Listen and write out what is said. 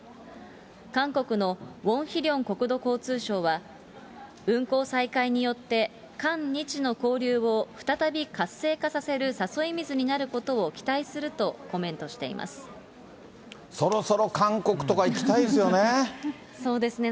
韓国のウォン・ヒリョン国土交通省は、運航再開によって、韓日の交流を再び活性化させる誘い水になることを期待するとコメそろそろ韓国とか行きたいでそうですね。